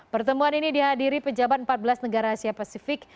pertemuan ini dihadiri pejabat empat belas negara asia pasifik